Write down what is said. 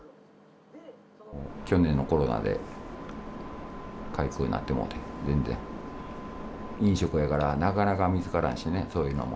去年のコロナで解雇になってもうて、全然、飲食やからなかなか見つからんしね、そういうのも。